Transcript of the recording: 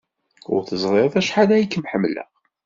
Ur teẓriḍ acḥal ay kem-ḥemmleɣ.